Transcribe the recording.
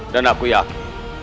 dan aku yakin